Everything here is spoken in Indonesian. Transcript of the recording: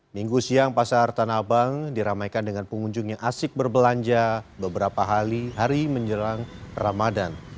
minggu siang pasar tanah abang diramaikan dengan pengunjung yang asik berbelanja beberapa hari hari menjelang ramadan